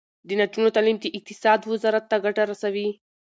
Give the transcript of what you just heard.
د نجونو تعلیم د اقتصاد وزارت ته ګټه رسوي.